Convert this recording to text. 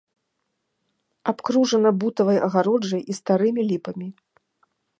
Абкружана бутавай агароджай і старымі ліпамі.